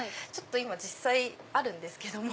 実際あるんですけども。